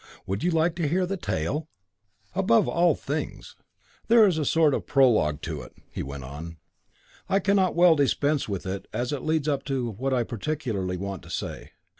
You would like to hear the tale?" "Above all things." "There is a sort of prologue to it," he went on. "I cannot well dispense with it as it leads up to what I particularly want to say."